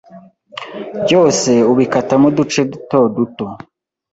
Byose ubikatamo uduce duto duto